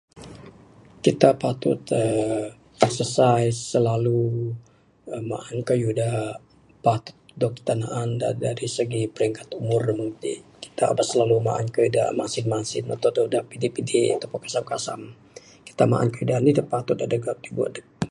Kita patut aaa exercise selalu. Maan kayuh da patut dog Kita naan dari segi peringkat umur meng ti, kita aba selalu maan kayuh da masin masin ato da pide pide ato pun kasam kasam. Kita maan kayuh anih da patut dadeg tibu adep.